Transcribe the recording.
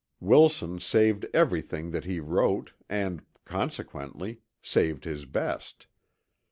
Wilson saved everything that he wrote and, consequently, saved his best.